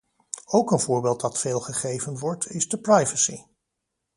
Ook een voorbeeld dat veel gegeven wordt, is de privacy.